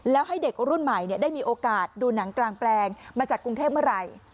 แล้วให้เด็กรุ่นใหม่ได้มีโอกาสดูหนังกลางแปลงมาจากกรุงเทพเมื่อไหร่